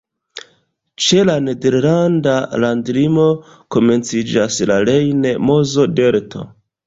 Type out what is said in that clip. Ĉe la nederlanda landlimo komenciĝas la Rejn-Mozo-Delto.